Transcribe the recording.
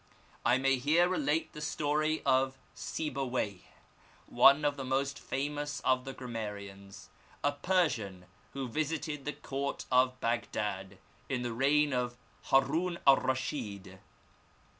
I may here relate the story of Sibuwayh, one of the most famous of the grammarians, a Per sian who visited the court of Bagdad in the reign of Harun Alraschid.